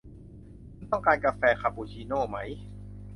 คุณต้องการกาแฟคาปูชิโน่ไหม